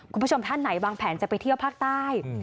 คุณผู้ชมท่านไหนวางแผนจะไปเที่ยวภาคใต้